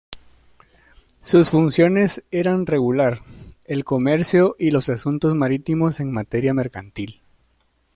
Sus funciones eran regular el comercio y los asuntos marítimos en materia mercantil.